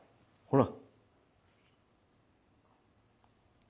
ほら！